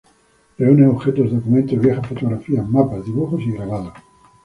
Reúne objetos, documentos, viejas fotografías, mapas, dibujos y grabados.